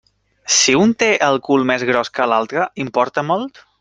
Si un té el cul més gros que l'altre, importa molt?